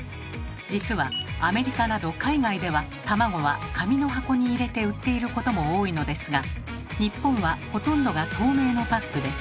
実はアメリカなど海外では卵は紙の箱に入れて売っていることも多いのですが日本はほとんどが透明のパックです。